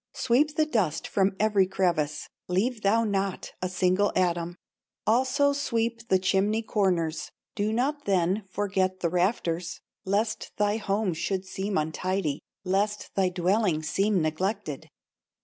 Sweep the dust from every crevice, Leave thou not a single atom; Also sweep the chimney corners, Do not then forget the rafters, Lest thy home should seem untidy, Lest thy dwelling seem neglected.